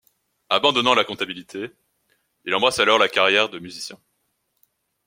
Abandonnant la comptabilité, il embrasse alors la carrière de musicien.